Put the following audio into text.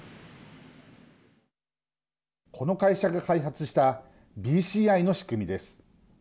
この会社が開発したＢＣＩの仕組みです。